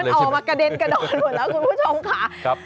มันออกมากระเด็นกระดอนหมดแล้วคุณผู้ชมค่ะ